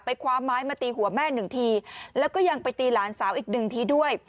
คว้าไม้มาตีหัวแม่หนึ่งทีแล้วก็ยังไปตีหลานสาวอีกหนึ่งทีด้วย